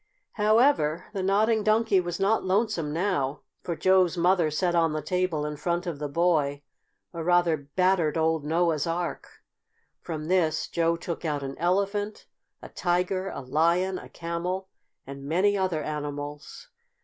However, the Nodding Donkey was not lonesome now, for Joe's mother set on the table in front of the boy a rather battered old Noah's Ark. From this Joe took out an elephant, a tiger, a lion, a camel and many other animals.